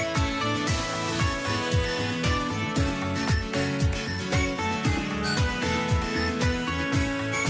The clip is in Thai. โปรดติดตามต่อไป